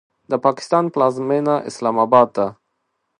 د پاکستان پلازمینه اسلام آباد ده.